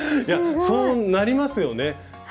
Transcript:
いやそうなりますよね。